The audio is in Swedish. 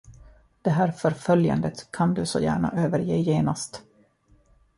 Det här förföljandet kan du så gärna överge genast.